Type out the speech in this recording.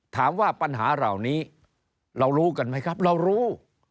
ถามว่าปัญหาเหล่านี้เรารู้กันไหมครับเรารู้